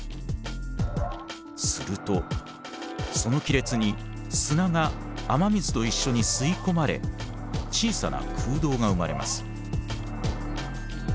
するとその亀裂に砂が雨水と一緒に吸い込まれ小さな空洞が生まれます。